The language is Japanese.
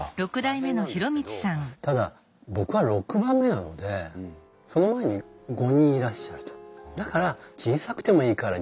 大変なんですけどただ僕は６番目なのでその前に５人いらっしゃると。